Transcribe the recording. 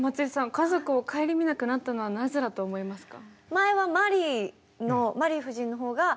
家族を顧みなくなったのはなぜだと思いますか？